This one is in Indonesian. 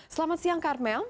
selamat siang karmel